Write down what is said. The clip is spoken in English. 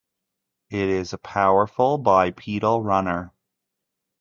It is a powerful bipedal runner.